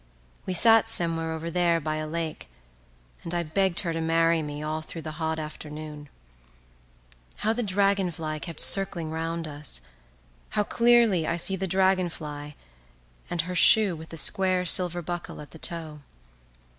"We sat somewhere over there by a lake and I begged her to marry me all through the hot afternoon. How the dragonfly kept circling round us: how clearly I see the dragonfly and her shoe with the square silver buckle at the toe.